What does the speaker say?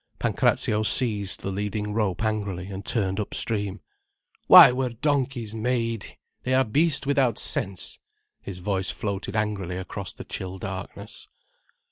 Pancrazio seized the leading rope angrily and turned upstream. "Why were donkeys made! They are beasts without sense," his voice floated angrily across the chill darkness.